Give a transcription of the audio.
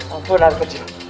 apun har kecil